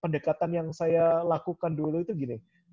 pendekatan yang saya lakukan dulu itu gini